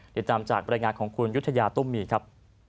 ติดตามจากบรรยายงานของคุณยุธยาตุ้มมีครับ